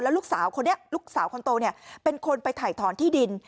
แล้วลูกสาวคนโตเป็นคนไปถ่ายถอนที่ดิน